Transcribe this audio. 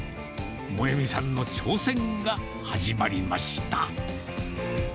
萌実さんの挑戦が始まりました。